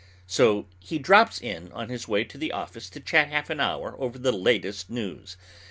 So he drops in on his way to the office to chat half an hour over the latest news.